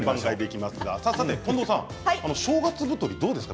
近藤さん、正月太りどうですか？